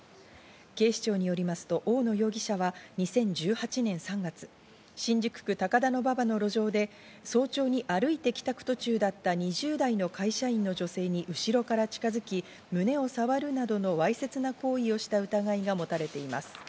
警視庁によりますと大野容疑者は２０１８年３月、新宿区高田馬場の路上で早朝に歩いて帰宅途中だった２０代の会社員の女性に後ろから近づき、胸をさわるなどのわいせつな行為をした疑いが持たれています。